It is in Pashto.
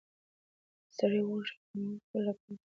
د سرې غوښې کمول ټولو لپاره ضروري نه دي.